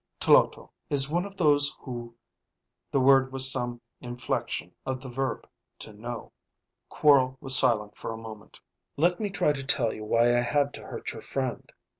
Tloto is one of those who ." (The word was some inflection of the verb to know.) Quorl was silent for a moment. "Let me try to tell you why I had to hurt your friend.